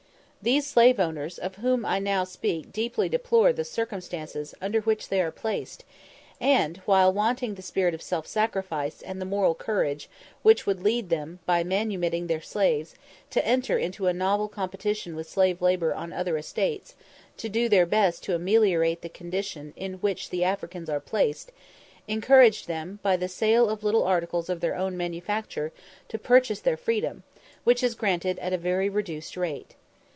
These slave owners of whom I now speak deeply deplore the circumstances under which they are placed, and, while wanting the spirit of self sacrifice, and the moral courage, which would lead them, by manumitting their slaves, to enter into a novel competition with slave labour on other estates, do their best to ameliorate the condition in which the Africans are placed, encouraging them, by the sale of little articles of their own manufacture, to purchase their freedom, which is granted at a very reduced rate.